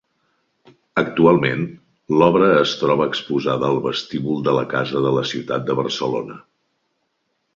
Actualment, l'obra es troba exposada al vestíbul de la casa de la Ciutat de Barcelona.